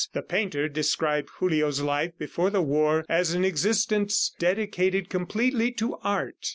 The painter described Julio's life before the war as an existence dedicated completely to art.